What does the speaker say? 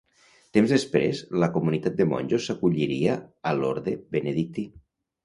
Temps després la comunitat de monjos s'acolliria a l'orde benedictí.